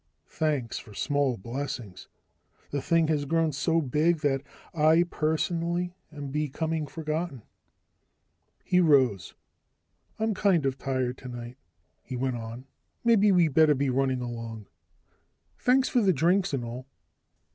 "Thanks for small blessings: the thing has grown so big that I, personally, am becoming forgotten." He rose. "I'm kind of tired tonight," he went on. "Maybe we better be running along. Thanks for the drinks and all."